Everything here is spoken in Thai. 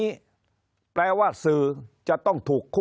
คนในวงการสื่อ๓๐องค์กร